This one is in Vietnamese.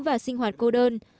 và sinh hoạt cô đơn